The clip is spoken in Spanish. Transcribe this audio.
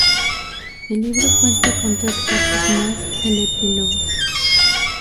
El libro cuenta con tres partes más el epílogo.